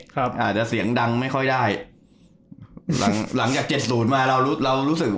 อาจจะเสียงดังไม่ค่อยได้หลังหลังจากเจ็ดศูนย์มาเรารู้เรารู้สึก